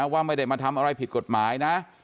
ว่าไม่ได้มาทำอะไรผิดกฎหมายนะ